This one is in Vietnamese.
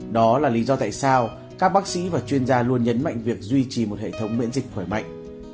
đó là lý do tại sao các bác sĩ và chuyên gia luôn nhấn mạnh việc duy trì một hệ thống miễn dịch khỏe mạnh